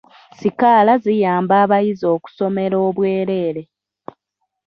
Sikaala ziyamba abayizi okusomera obwereere.